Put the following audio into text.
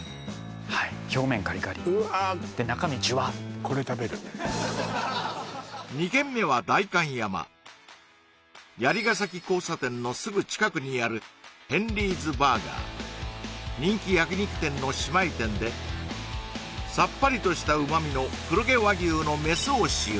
はい表面カリカリうわで中身ジュワッ２軒目は代官山鎗ヶ崎交差点のすぐ近くにある人気焼き肉店の姉妹店でさっぱりとした旨味の黒毛和牛のメスを使用